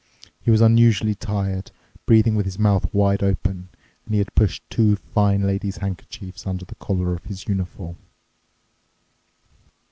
He was unusually tired, breathing with his mouth wide open, and he had pushed two fine lady's handkerchiefs under the collar of his uniform.